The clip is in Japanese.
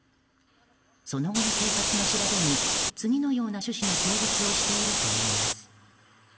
その後の警察の調べに次のような趣旨の供述をしているといいます。